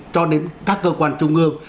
cho đến các cơ quan trung ương